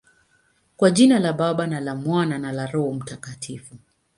Kwa jina la Baba, na la Mwana, na la Roho Mtakatifu.